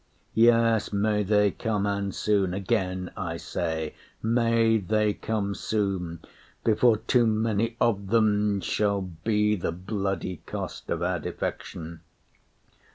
Yes, may they come, and soon. Again I say, May they come soon! before too many of them Shall be the bloody cost of our defection.